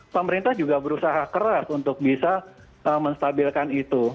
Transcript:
pemerintah juga berusaha keras untuk bisa menstabilkan itu